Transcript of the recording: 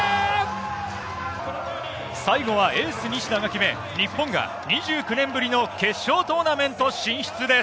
最後はエース・西田が決め日本が２９年ぶりの決勝トーナメント進出です。